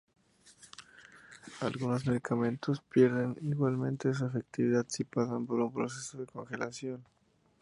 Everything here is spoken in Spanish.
Algunos medicamentos pierden igualmente su efectividad si pasan por un proceso de congelación.